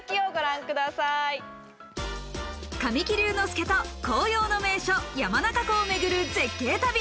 神木隆之介と紅葉の名所・山中湖を巡る絶景旅。